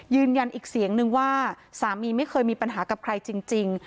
ยืนยันอีกเสียงนึงว่าสามีไม่เคยมีปัญหากับใครจริง